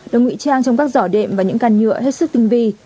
được ngụy trang trong các giỏ đệm và những can nhựa hết sức tinh vi